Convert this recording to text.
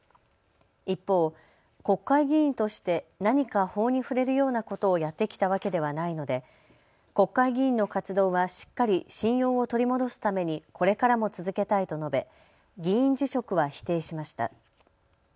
一方、国会議員として何か法に触れるようなことをやってきたわけではないので国会議員の活動はしっかり信用を取り戻すためにこれからも続けたいと述べ議員辞職は否定しました。